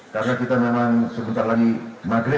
karena kita memang sebentar lagi maghrib